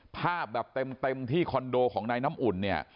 ภาพแบบเต็มที่คอนโดของนายน้ำอุ่นเนี่ย